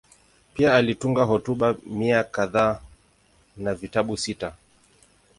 Pia alitunga hotuba mia kadhaa na vitabu sita.